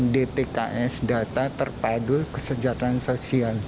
dtks data terpadu kesejahteraan sosial